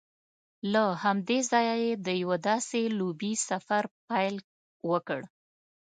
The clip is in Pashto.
له همدې ځایه یې د یوه داسې لوبیز سفر پیل وکړ